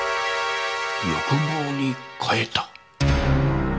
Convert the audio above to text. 欲望に変えた？